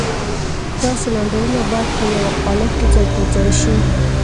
دا سلنډرونه بايد په يوه قالب کې ځای پر ځای شي.